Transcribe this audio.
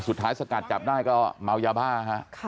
สุดท้ายสกัดจับได้ก็เมายาบ้าค่ะ